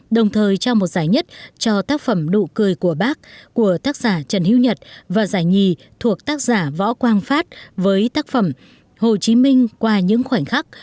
đồng thời trao một giải nhất cho tác phẩm đụ cười của bác của tác giả trần hiếu nhật và giải nhì thuộc tác giả võ quang phát với tác phẩm hồ chí minh qua những khoảnh khắc